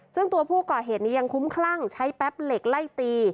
ซึ่งตัวผู้ก่อเหตุนี้ยังคุ้มคลั่งใช้แป๊บเหล็กไล่ตี